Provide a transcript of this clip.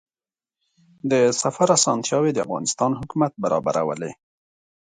د سفر اسانتیاوې د افغانستان حکومت برابرولې.